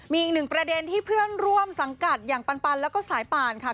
มีอีกหนึ่งประเด็นที่เพื่อนร่วมสังกัดอย่างปันแล้วก็สายป่านค่ะ